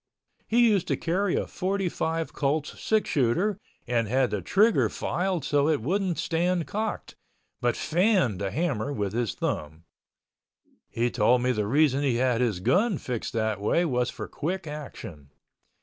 He used to carry a 45 Colts six shooter and had the trigger filed so it wouldn't stand cocked, but fanned the hammer with his thumb. He told me the reason he had his gun fixed that way was for quick action.